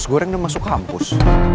usus goreng udah masuk kampus